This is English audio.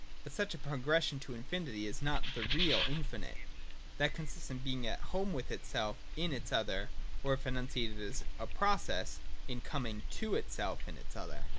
But such a progression to infinity is not the real infinite. That consists in being at home with itself in its other, or, if enunciated as a process, in coming to itself in its other.